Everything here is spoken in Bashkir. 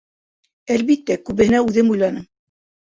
— Әлбиттә, күбеһенә үҙем уйланым.